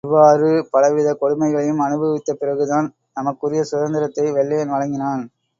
இவ்வாறு பலவித கொடுமைகளையும் அனுபவித்த பிறகுதான் நமக்குரிய சுதந்திரத்தை வெள்ளையன் வழங்கினான்.